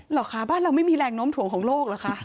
เหรอคะบ้านเราไม่มีแรงโน้มถ่วงของโลกเหรอคะ